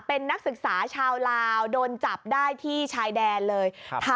เป็นนักศึกษาชาวลาวโดนจับได้ที่ชายแดนเลย